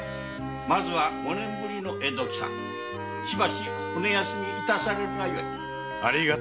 五年ぶりの江戸帰参しばし骨休み致されるがよい。